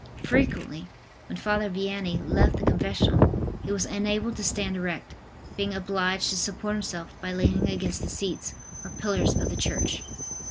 Frequently, when Father Vianney left the confessional, he was unable to stand erect, being obliged to support himself by leaning against the seats or pillars of the church.